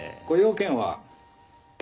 ご用件は？